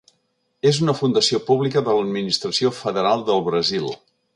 És una fundació pública de l'administració federal del Brasil.